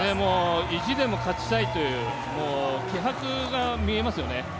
意地でも勝ちたいという気迫が見えますよね。